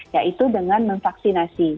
yaitu dengan memvaksinasi